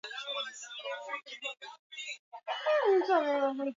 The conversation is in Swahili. Nchini Cuba akitokea Galicia Kaskazini Magharibi mwa Hispania